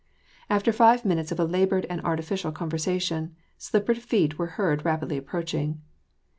After five minutes of a labored and artificial conversation, slippered feet were heard rapidly approaching.